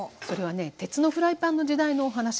それはね鉄のフライパンの時代のお話。